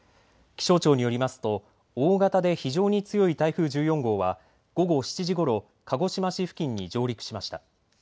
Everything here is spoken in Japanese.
気象庁によりますと大型で非常に強い台風１４号は午後７時ごろ、鹿児島市付近に上陸しました。